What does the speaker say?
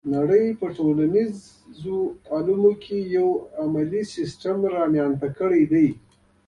نړۍ په ټولنیزو علومو کې یو علمي سیستم رامنځته کړی دی.